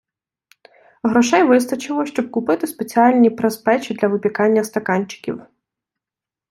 Грошей вистачило, щоб купити спеціальні прес - печі для випікання стаканчиків.